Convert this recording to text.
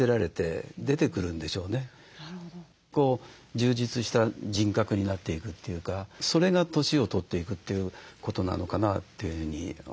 充実した人格になっていくというかそれが年を取っていくということなのかなというふうに思いましたね。